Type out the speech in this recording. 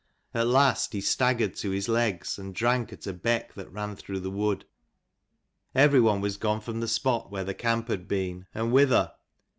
At last he staggered to his legs, and drank at a beck that ran through the wood. Every one was gone from the spot where the camp had been : and whither